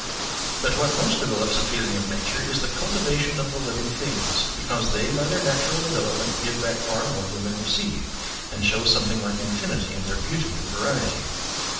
But what most develops a feeling of nature is the cul tivation of the living things, because they by their natural development give back far more than they receive, and show something like infinity in their beauty and variety.